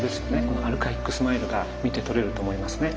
このアルカイックスマイルが見て取れると思いますね。